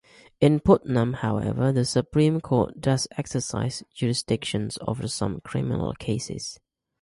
In Putnam however, the Supreme Court does exercise jurisdiction over some criminal cases.